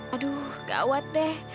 aduh gawat deh